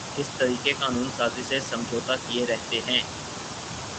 اس طریقِ قانون سازی سے سمجھوتاکیے رہتے ہیں